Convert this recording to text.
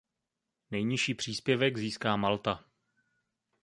Nejnižší příspěvek získá Malta.